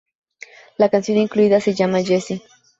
La canción incluida se llama "Jesse".